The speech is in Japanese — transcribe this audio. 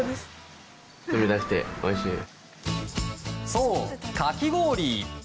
そう、かき氷。